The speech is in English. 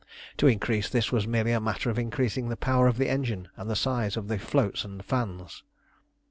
To increase this was merely a matter of increasing the power of the engine and the size of the floats and fans.